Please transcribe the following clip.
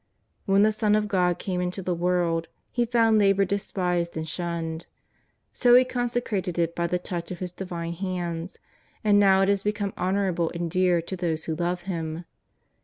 When the Son of God came into the world, He found labour despised and shunned. So He consecrated it by the touch of His divine hands, and now it has become honourable and dear to those who love Him.